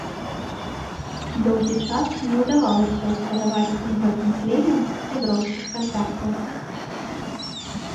Доўгі час не ўдавалася ўсталяваць з гэтым племем сяброўскіх кантактаў.